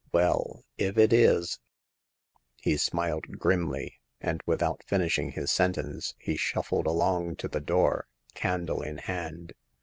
Well, if it is " He smiled grimly, and without finishing his sentence he shuffled along to the door, candle in hand.